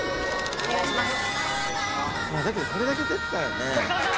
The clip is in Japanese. お願いします。